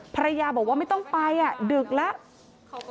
ภรรยาบอกว่าไม่ต้องไปดึกแล้ว